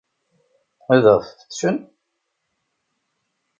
Ad aɣ-fettcen?